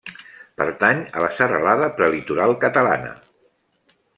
Pertany a la Serralada Prelitoral Catalana.